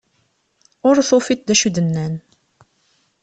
Ur tufiḍ d acu i d-nnan.